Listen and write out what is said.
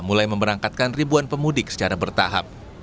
mulai memberangkatkan ribuan pemudik secara bertahap